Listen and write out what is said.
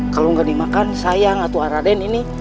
kalau gak dimakan sayang atuan aden ini